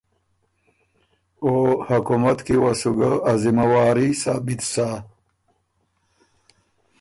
او حکومت کی وه سو ګۀ ا ذمه واري ثابت سَۀ۔